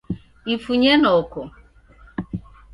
Ifunye noko